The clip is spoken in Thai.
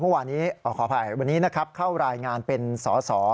วันนี้เข้ารายงานเป็นสอสอ